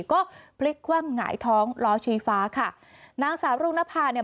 ก็พริกว่างไหงเท้าหลอชีฟาค่ะนางสาวลุงภาพเนี่ย